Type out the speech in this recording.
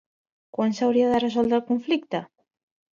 Quan s'hauria de resoldre el conflicte?